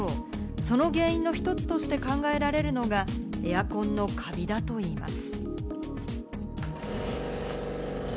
その原因の一つとして考えられるのがエアコンのカビだといいます。